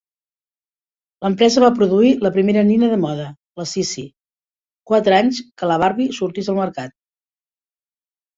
L'empresa va produir la primera nina de moda, la "Cissy", quatre anys que la Barbie sortís al mercat.